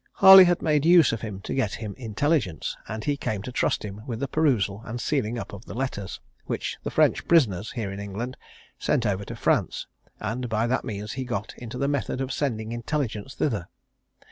Harley had made use of him to get him intelligence, and he came to trust him with the perusal and sealing up of the letters, which the French prisoners, here in England, sent over to France; and by that means he got into the method of sending intelligence thither.